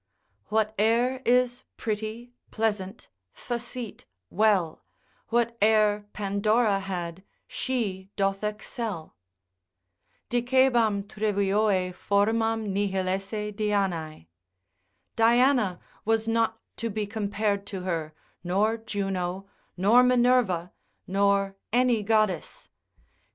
Whate'er is pretty, pleasant, facete, well, Whate'er Pandora had, she doth excel. Dicebam Trivioe formam nihil esse Dianoe. Diana was not to be compared to her, nor Juno, nor Minerva, nor any goddess.